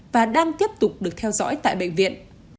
và đang tiếp tục được theo dõi tại bệnh viện